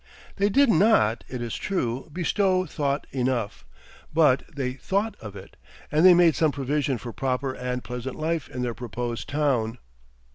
They did not, it is true, bestow thought enough; but they thought of it, and they made some provision for proper and pleasant life in their proposed town.